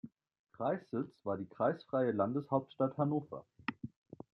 Kreissitz war die kreisfreie Landeshauptstadt Hannover.